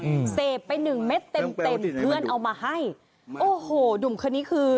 อืมเสพไปหนึ่งเม็ดเต็มเต็มเพื่อนเอามาให้โอ้โหหนุ่มคนนี้คือ